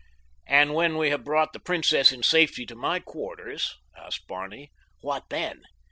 "And when we have brought the princess in safety to my quarters," asked Barney, "what then?